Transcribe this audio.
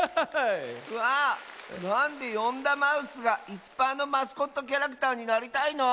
わあなんでヨンダマウスがいすパーのマスコットキャラクターになりたいの？